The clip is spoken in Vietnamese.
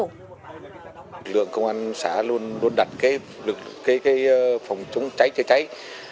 lực lượng công an xã luôn đặt cái phòng chống cháy chữa cháy